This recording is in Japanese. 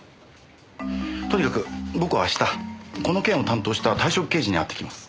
とにかく僕は明日この件を担当した退職刑事に会ってきます。